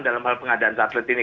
dalam hal pengadaan satelit ini